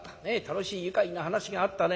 楽しい愉快な話があったね」